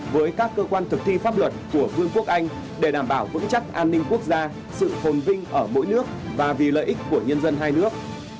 với các cơ quan thực thi pháp luật của vương quốc anh để đảm bảo vững chắc an ninh quốc gia sự phồn vinh ở mỗi nước và vì lợi ích của nhân dân hai nước